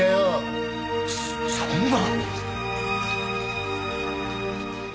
そそんな！